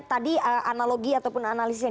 tadi analogi ataupun analisis yang